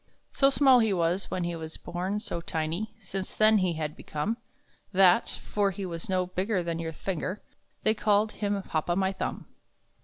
So small he was when he was born, so tiny Since then he had become, That for he was no bigger than your finger They called him Hop o' my Thumb.